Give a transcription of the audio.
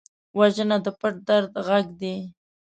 وژنه د پټ درد غږ دی